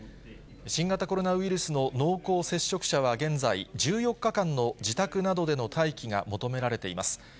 新型コロナウイルスの濃厚接触者は現在、１４日間の自宅などでの待機が求められています。